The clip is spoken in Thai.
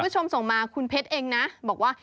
คุณผู้ชมส่งมาคุณเพชรเองนะบอกว่า